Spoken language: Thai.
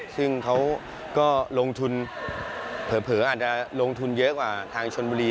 ซึ่งเขาก็ลงทุนเผลออาจจะลงทุนเยอะกว่าทางชนบุรี